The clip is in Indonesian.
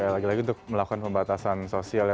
lagi lagi untuk melakukan pembatasan sosial ya